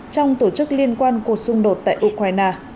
trong tổ chức liên quan cuộc xung đột tại ukraine